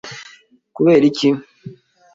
kubera iki? ”